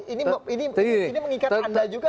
ini ini mengikat anda juga nggak